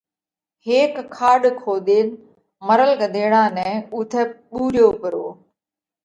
هيڪ کاڏ کوۮينَ مرل ڳۮيڙا نئہ اُوٿئہ ٻُوريو پرو۔